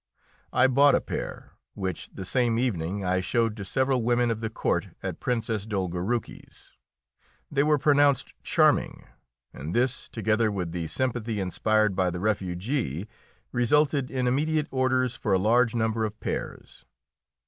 I bought a pair, which the same evening I showed to several women of the court at Princess Dolgoruki's. They were pronounced charming, and this, together with the sympathy inspired by the refugee, resulted in immediate orders for a large number of pairs.